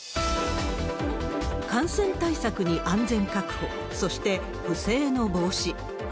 感染対策に安全確保、そして不正の防止。